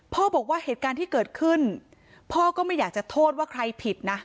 พ่อบอกว่าเหตุการณ์ที่เกิดขึ้นพ่อก็ไม่อยากจะโทษว่าใครผิดนะ